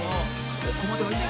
ここまでは、いいぞ！